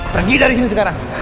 pergi dari sini sekarang